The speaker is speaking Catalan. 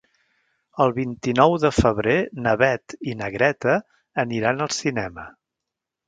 El vint-i-nou de febrer na Beth i na Greta aniran al cinema.